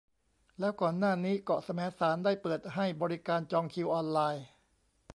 แล้วก่อนหน้านี้เกาะแสมสารได้เปิดให้บริการจองคิวออนไลน์